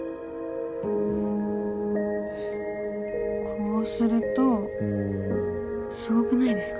こうするとすごくないですか？